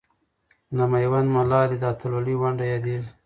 د میوند ملالۍ د اتلولۍ ونډه یادېږي.